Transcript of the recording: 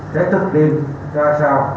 sẽ thực hiện ra sao